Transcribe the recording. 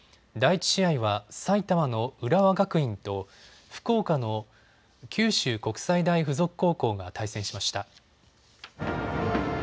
第１試合は埼玉の浦和学院と福岡の九州国際大付属高校が対戦しました。